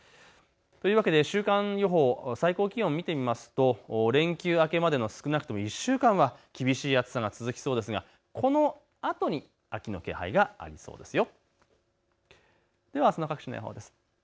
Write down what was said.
というわけで週間予報、最高気温を見てみますと連休明けまでの少なくとも１週間は厳しい暑さが続きそうですが、このあとに秋の気配がありそうですよ。